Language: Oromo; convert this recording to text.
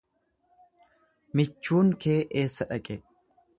Michuun kee eessa dhaqe.